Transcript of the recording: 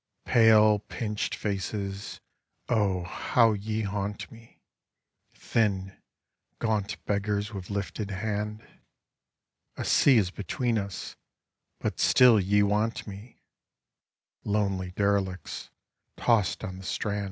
Pale, pindied faces. Oh, how ye haunt me. Thin, gaunt beggars with lifted hand, A sea is between us, but still ye want me, Lonely derelicts tossed on the Strand.